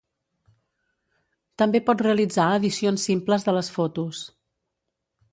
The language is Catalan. També pot realitzar edicions simples de les fotos.